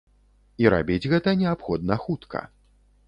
І рабіць гэта неабходна хутка.